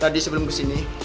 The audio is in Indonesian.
tadi sebelum kesini